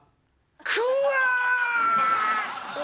くわ！